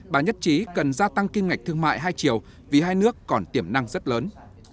bà nhất trí cần gia tăng kim ngạch thương mại hai triệu vì hai nước còn tiềm năng rất lớn